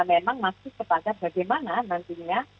memang masih kepada bagaimana nantinya